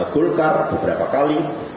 gulkar beberapa kali